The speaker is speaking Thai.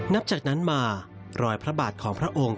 นับจากนั้นมารอยพระบาทของพระองค์